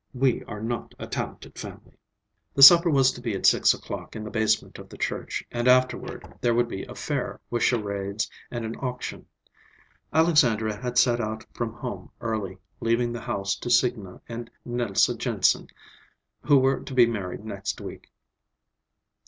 We are not a talented family." The supper was to be at six o'clock, in the basement of the church, and afterward there would be a fair, with charades and an auction. Alexandra had set out from home early, leaving the house to Signa and Nelse Jensen, who were to be married next week.